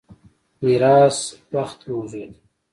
میراث بخت موضوع ده.